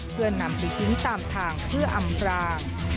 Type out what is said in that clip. เพื่อนำไปทิ้งตามทางเพื่ออำพราง